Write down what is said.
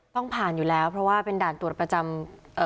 ต้องผ่านอยู่แล้วเพราะว่าเป็นด่านตรวจประจำเอ่อ